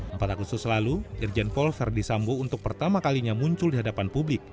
empat tahun selalu irjen polver di sambo untuk pertama kalinya muncul di hadapan publik